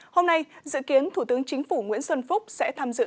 hôm nay dự kiến thủ tướng chính phủ nguyễn xuân phúc sẽ tham dự